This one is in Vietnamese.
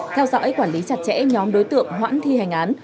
theo dõi quản lý chặt chẽ nhóm đối tượng hoãn thi hành án